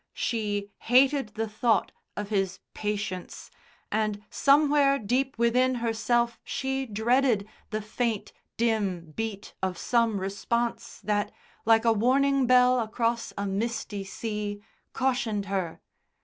She hated the thought of His patience, and somewhere deep within herself she dreaded the faint, dim beat of some response that, like a warning bell across a misty sea, cautioned her.